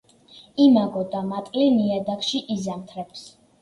იმაგო და მატლი ნიადაგში იზამთრებს.